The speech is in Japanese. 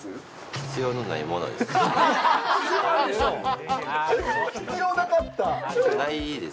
必要のないものです。